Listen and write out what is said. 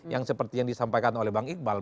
yang seperti yang disampaikan oleh bang iqbal